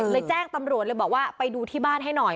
แจ้งตำรวจเลยบอกว่าไปดูที่บ้านให้หน่อย